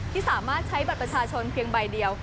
ที่สามารถใช้บัตรประชาชนเพียงใบเดียว